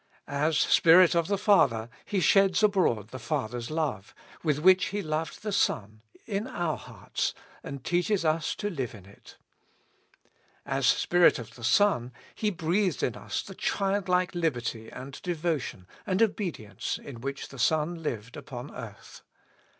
As Spirit 57 With Christ in the School of Prayer. of the Father, He sheds abroad the Father's love, with which He loved the Son, in our hearts, and teaches us to live in it. As Spirit of the Son, He breathes in us the childlike liberty, and devotion, and obedience in which the Son lived upon earth.